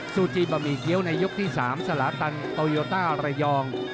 ซูจีบะหมี่เกี้ยวในยกที่๓สลาตันโตโยต้าระยอง